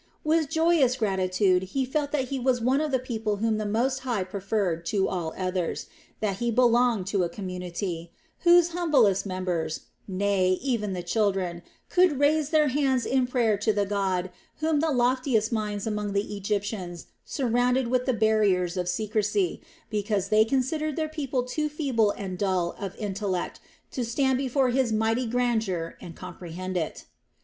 With joyous gratitude he felt that he was one of the people whom the Most High preferred to all others, that he belonged to a community, whose humblest members, nay even the children, could raise their hands in prayer to the God whom the loftiest minds among the Egyptians surrounded with the barriers of secrecy, because they considered their people too feeble and dull of intellect to stand before His mighty grandeur and comprehend it.